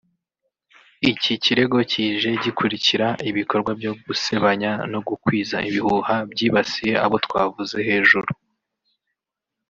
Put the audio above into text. Iki kirego kije gikurikira ibikorwa byo gusebanya no gukwiza ibihuha byibasiye abo twavuze hejuru